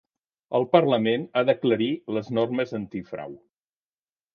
El Parlament ha d'aclarir les normes antifrau.